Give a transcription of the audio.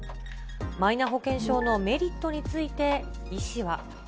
マイナ保険証のメリットについて医師は。